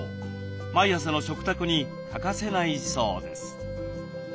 毎朝の食卓に欠かせないそうです。